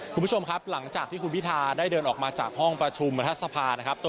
คุณผู้ชมครับหลังจากที่คุณพิทาได้เดินออกมาจากห้องประชุมรัฐสภานะครับ